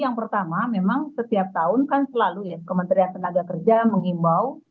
yang pertama memang setiap tahun kan selalu ya kementerian tenaga kerja mengimbau